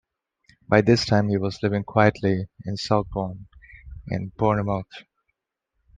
By this time he was living quietly in Southbourne in Bournemouth.